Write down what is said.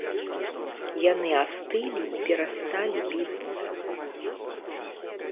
Яны астылі і перасталі біцца.